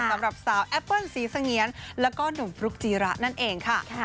สำหรับสาวแอปเปิ้ลสีเสงียนแล้วก็หนุ่มฟลุ๊กจีระนั่นเองค่ะ